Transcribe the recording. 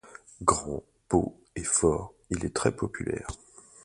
Grand, beau et fort, il est très populaire.